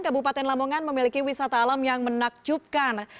kabupaten lamongan memiliki wisata alam yang menakjubkan